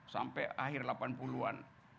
sampai akhir delapan puluh an